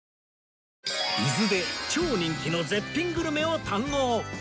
伊豆で超人気の絶品グルメを堪能